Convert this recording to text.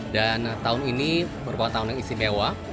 dan tahun ini merupakan tahun yang istimewa